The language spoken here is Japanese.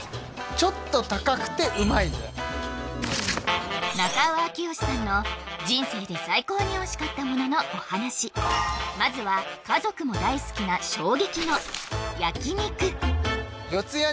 ちょっと高くてうまいで中尾明慶さんの人生で最高においしかったもののお話まずは家族も大好きなへえ